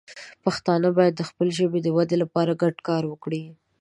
پښتانه باید د خپلې ژبې د وده لپاره ګډ کار وکړي.